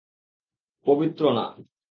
পবিত্রা, না!